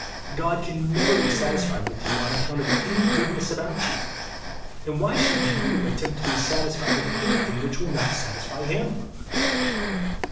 God can never be satisfied with you on account of any goodness about you ; and why should you attempt to be satisfied with anything which will not satie; fy him